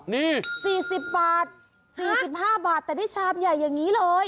นี่๔๐บาท๔๕บาทแต่ได้ชามใหญ่อย่างนี้เลย